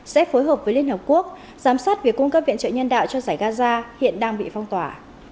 sẽ phối hợp với liên hợp quốc giám sát việc cung cấp viện trợ nhân đạo cho giải gaza hiện đang bị phong tỏa